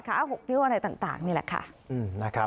๖นิ้วอะไรต่างนี่แหละค่ะ